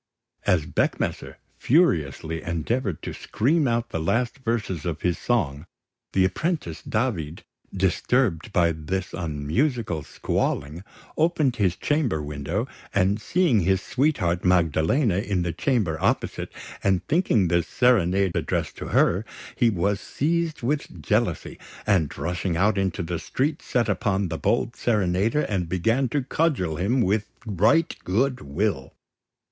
As Beckmesser furiously endeavoured to scream out the last verses of his song, the apprentice David, disturbed by this unmusical squalling, opened his chamber window; and, seeing his sweetheart, Magdalena, in the chamber opposite, and thinking the serenade addressed to her, he was seized with jealousy, and, rushing out into the street, set upon the bold serenader and began to cudgel him with right good will.